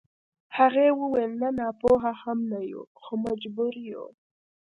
هغې وويل نه ناپوهه هم نه يو خو مجبور يو.